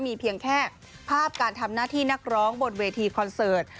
มีเพียงแค่ภาพการทำหน้าที่นักร้องบนเวทีคอนเสิร์ต